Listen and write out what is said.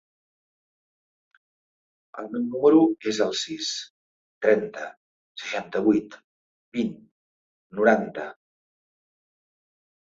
El meu número es el sis, trenta, seixanta-vuit, vint, noranta.